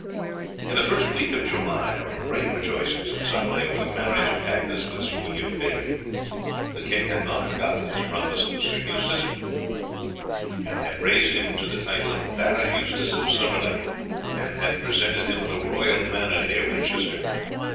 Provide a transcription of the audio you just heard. In the first week of July there were great rejoicings at Summerley over the marriage of Agnes with Sir William Bailey. The king had not forgotten his promise to Sir Eustace, and had raised him to the title of Baron Eustace of Summerley, and had presented him with a royal manor near Winchester.